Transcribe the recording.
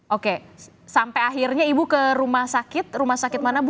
oke sampai akhirnya ibu ke rumah sakit rumah sakit mana bu